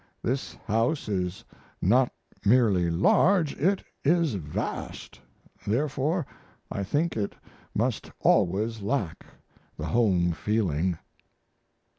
This house is not merely large, it is vast therefore I think it must always lack the home feeling.